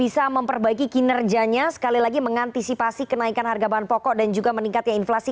bisa memperbaiki kinerjanya sekali lagi mengantisipasi kenaikan harga bahan pokok dan juga meningkatnya inflasi